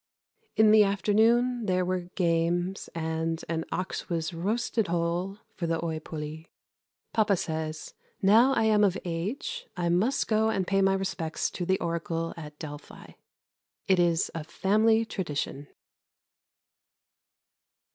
In the afternoon there were games, and an ox was roasted whole for the ὁι πολλὸι. Papa says, now I am of age, I must go and pay my respects to the oracle at Delphi. It is a family tradition.